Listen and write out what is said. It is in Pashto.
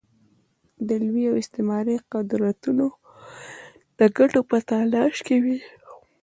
د لوی او استعماري قدرتونه د ګټو په تلاښ کې وي.